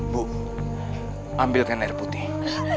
bu ambilkan air putih